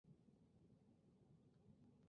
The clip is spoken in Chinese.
团体射箭比赛亦是分为排名赛及淘汰赛。